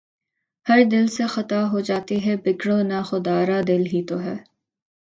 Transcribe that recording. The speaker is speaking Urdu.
ہر دل سے خطا ہو جاتی ہے، بگڑو نہ خدارا، دل ہی تو ہے